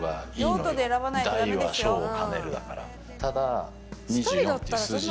ただ。